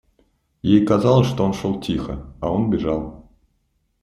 Ей казалось, что он шел тихо, а он бежал.